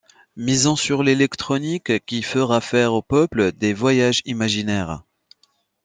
Misons sur l’électronique qui fera faire au peuple des voyages imaginaires.